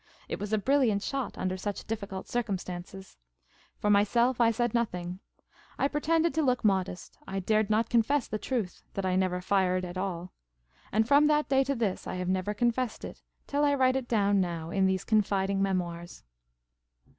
It was a brilliant shot, under such difficult circumstances. For my self, I said nothing. I pretended to look modest. I dared not confess the truth — that I never fired at all. And from IT S I WHO AM THE WINNAH. that day to this I have nev^er confessed it, till I write it down now in these confiding memoirs.